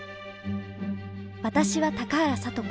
私は高原聡子。